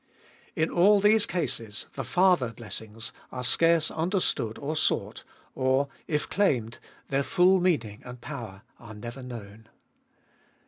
In all these cases the Tbolfest of ail zsi farther blessings are scarce understood or sought, or if claimed, their full meaning and power are never known.